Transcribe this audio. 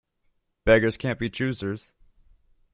Beggars can't be choosers.